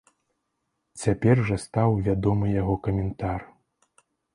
Цяпер жа стаў вядомы яго каментар.